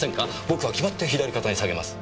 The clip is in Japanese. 僕は決まって左肩に提げます。